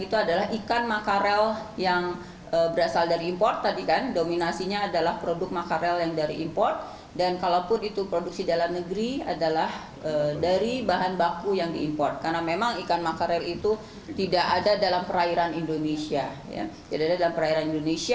badan pengawasan obat dan makanan bpom menemukan kandungan cacing pada produk ikan makarel dalam kaleng